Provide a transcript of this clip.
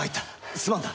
すまんな。